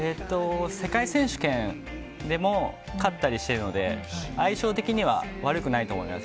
世界選手権でも勝ったりしてるので、相性的には悪くないと思います。